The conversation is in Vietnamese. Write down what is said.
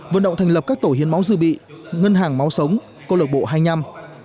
vận động thành lập các tổ hiến máu dư bị ngân hàng máu sống cô lực bộ hay nhăm